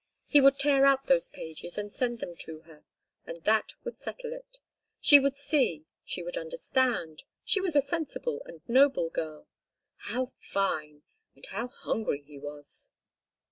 He would tear out those pages and send them to her—and that would settle it. She would see, she would understand—she was a sensible and noble girl. How fine! and how hungry he was!